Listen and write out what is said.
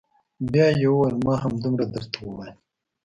بيا يې وويل ما همدومره درته وويل.